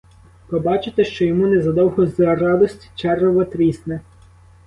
Побачите, що йому незадовго з радості черево трісне.